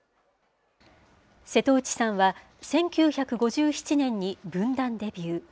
瀬戸内さんは、１９５７年に文壇デビュー。